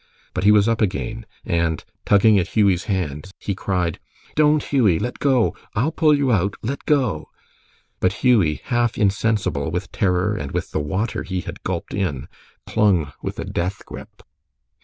But he was up again, and tugging at Hughie's hands, he cried: "Don't, Hughie! let go! I'll pull you out. Let go!" But Hughie, half insensible with terror and with the water he had gulped in, clung with a death grip.